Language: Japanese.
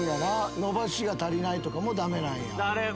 伸ばしが足りないとかも駄目なんや。